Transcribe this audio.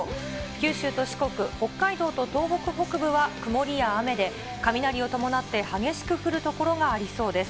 九州と四国、北海道と東北北部は曇りや雨で、雷を伴って激しく降る所がありそうです。